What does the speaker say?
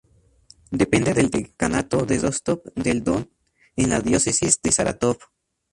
Depende del decanato de Rostov del Don en la Diócesis de Saratov.